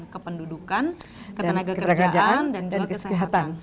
kependudukan ketenagakerjaan dan kesehatan